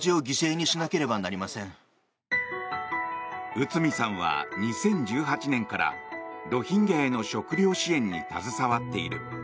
内海さんは２０１８年からロヒンギャへの食料支援に携わっている。